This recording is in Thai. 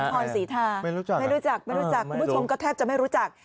สมพรศรีทาไม่รู้จักคุณผู้ชมก็แทบจะไม่รู้จัก